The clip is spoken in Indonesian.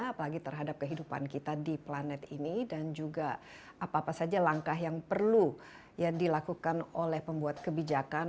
apalagi terhadap kehidupan kita di planet ini dan juga apa apa saja langkah yang perlu dilakukan oleh pembuat kebijakan